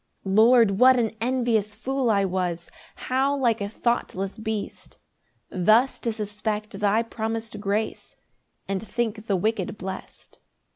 9 Lord, what an envious fool I was! How like a thoughtless beast! Thus to suspect thy promis'd grace, And think the wicked blest.